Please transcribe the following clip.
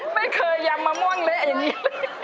ไม่เคยยำมะม่วงเร็ดอย่างงี้เลย